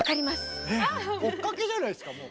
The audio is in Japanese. えっ追っかけじゃないですかもう。